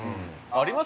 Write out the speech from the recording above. あります？